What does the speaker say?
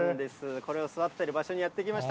これを育ててる場所にやって来ました。